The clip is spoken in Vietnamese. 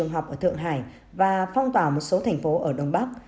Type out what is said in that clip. học ở thượng hải và phong tỏa một số thành phố ở đông bắc